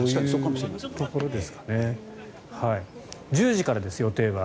１０時からです、予定は。